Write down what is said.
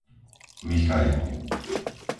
Michajlov